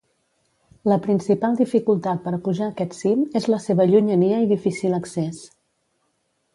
La principal dificultat per pujar aquest cim és la seva llunyania i difícil accés.